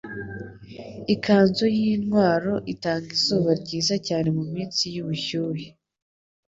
Ikanzu yintwaro itanga izuba ryiza cyane muminsi yubushyuhe.